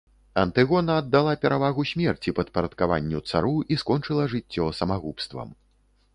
Антыгона аддала перавагу смерці падпарадкаванню цару і скончыла жыццё самагубствам.